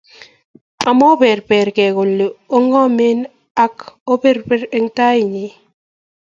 Amoberbergei kole ongomen angaa oberber eng tainyi